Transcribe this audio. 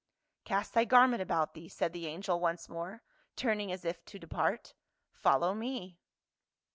"Cast thy garment about thee," said the angel once more, turning as if to depart. " Follow me."